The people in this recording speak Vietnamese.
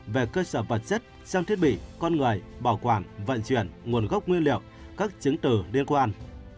về cơ sở vật chất trang thiết bị con người bảo quản vận chuyển nguồn gốc nguyên liệu các chứng từ liên quan